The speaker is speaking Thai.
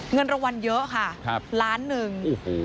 เงินรางวัลเยอะค่ะล้านหนึ่ง